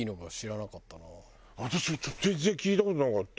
私もちょっと全然聞いた事なかった。